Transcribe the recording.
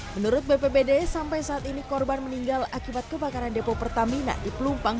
menurut bpbd sampai saat ini korban meninggal akibat kebakaran depo pertamina di pelumpang